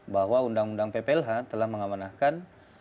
bahwa undang undang pplh telah mengamanahkan